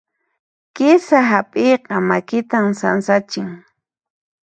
Kisa hap'iyqa makitan sansachin.